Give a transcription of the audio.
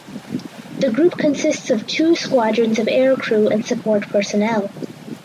The group consists of two squadrons of aircrew and support personnel.